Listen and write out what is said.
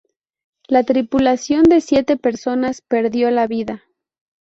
La tripulación de siete personas perdió la vida.